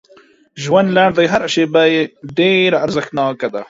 ژوند لنډ دی هر شیبه یې ډېره ارزښتناکه ده